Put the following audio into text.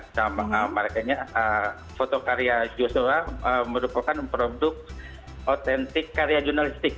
sama merekanya foto karya joshua merupakan produk otentik karya jurnalistik